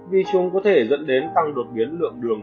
vì chúng có thể dẫn đến tăng đột biến lượng đường